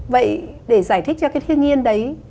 vậy để giải thích cho cái thiên nhiên đấy